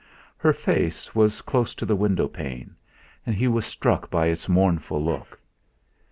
Her face was close to the window pane, and he was struck by its mournful look.